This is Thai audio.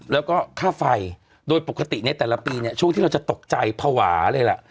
แล้วก็ค่าไฟโดยปกติในแต่ละปีเนี่ยช่วงที่เราจะตกใจภาวะเลยล่ะ